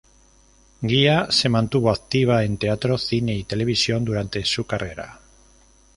Guia se mantuvo activa en teatro, cine y televisión durante su carrera.